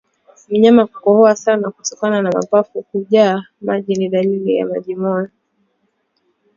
Mnyama kukohoa sana kutokana na mapafu kujaa maji ni dalili ya majimoyo